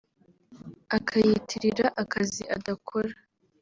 akiyitirira akazi adakora